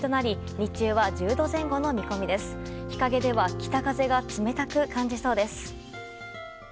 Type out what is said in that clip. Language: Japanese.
日陰では北風が冷たく感じそうです。